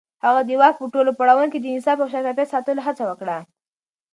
هغه د واک په ټولو پړاوونو کې د انصاف او شفافيت ساتلو هڅه وکړه.